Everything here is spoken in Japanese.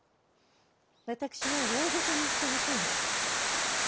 私を大御所にしてほしいの。